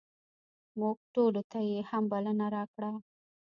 موږ ټولو ته یې هم بلنه راکړه.